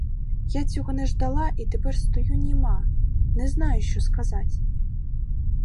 Я цього не ждала і тепер стою німа, не знаю, що сказать.